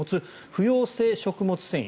不溶性食物繊維